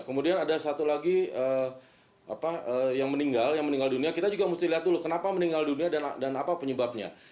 kemudian ada satu lagi yang meninggal yang meninggal dunia kita juga mesti lihat dulu kenapa meninggal dunia dan apa penyebabnya